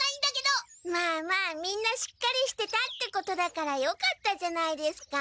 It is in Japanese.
まあまあみんなしっかりしてたってことだからよかったじゃないですか。